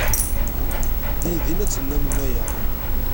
Dindin ad tennammem aya.